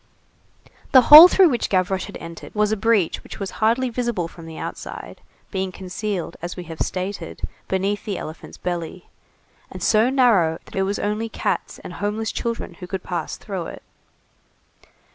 The hole through which Gavroche had entered was a breach which was hardly visible from the outside, being concealed, as we have stated, beneath the elephant's belly, and so narrow that it was only cats and homeless children who could pass through it.